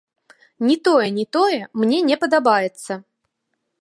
Ні тое, ні тое мне не падабаецца!